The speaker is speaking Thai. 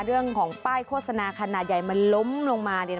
เรื่องของป้ายโฆษณาขนะใยมันล้มลงมานี่นะ